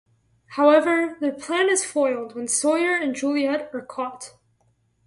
However, their plan is foiled when Sawyer and Juliet are caught.